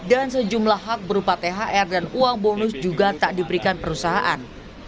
dan sejumlah hak berupa thr dan uang bonus juga tak diberikan perusahaan